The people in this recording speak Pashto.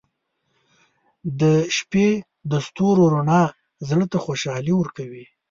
• د شپې د ستورو رڼا زړه ته خوشحالي ورکوي.